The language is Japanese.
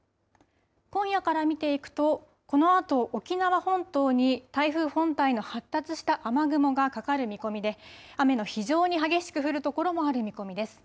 今夜から見ていくとこのあと沖縄本島に台風本体の発達した雨雲がかかる見込みで雨の非常に激しく降る所もある見込みです。